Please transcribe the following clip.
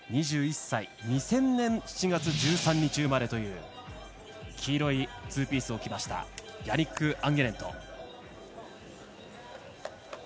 ２１歳、２０００年７月１３日生まれという黄色いツーピースを着ましたヤニック・アンゲネント。